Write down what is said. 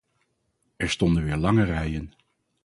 Er stonden weer lange rijen.